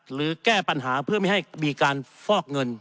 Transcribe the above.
แก้ปัญหาเพื่อไม่ให้มีการฟอกเงิน